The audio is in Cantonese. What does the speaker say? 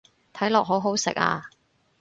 睇落好好食啊